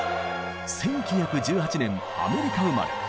１９１８年アメリカ生まれ。